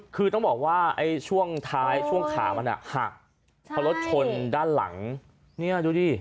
คือต้องบอกว่าช่วงขามันหักเพราะรถชนด้านหลังนี่ดูดิ